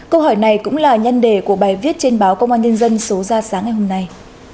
câu hỏi này cũng là nhân đề của bài viết trên báo công an nhân dân số ra sáng ngày hôm nay